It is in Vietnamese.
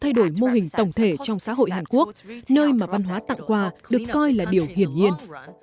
điều này đã mang lại một sự thay đổi mô hình tổng thể trong xã hội hàn quốc nơi mà văn hóa tặng quà được coi là điều hiển nhiên